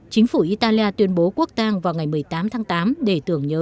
chính phủ italia tuyên bố quốc tăng vào ngày một mươi tám tháng tám